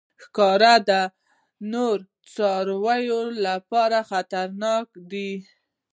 ښکاري د نورو څارویو لپاره خطرناک دی.